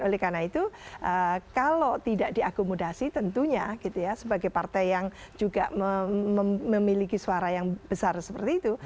oleh karena itu kalau tidak diakomodasi tentunya gitu ya sebagai partai yang juga memiliki suara yang besar seperti itu